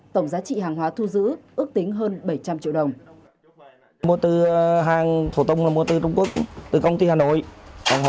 tổng giá trị hàng hóa thu giữ ước tính hơn bảy trăm linh triệu đồng